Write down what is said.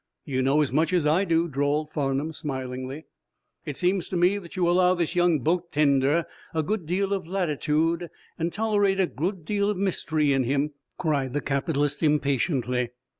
"You know as much as I do," drawled Farnum, smilingly. "It seems to me that you allow this young boat tender a good deal of latitude, and tolerate a good deal of mystery in him," cried the capitalist, impatiently.